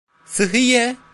Sıhhiye!